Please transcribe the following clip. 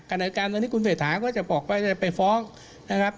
ในการตอนนี้คุณเศรษฐาก็จะบอกว่าจะไปฟ้องนะครับ